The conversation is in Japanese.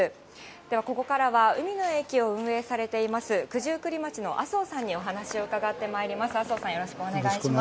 ではここからは海の駅を運営されています、九十九里町の麻生さんにお話を伺ってまいります。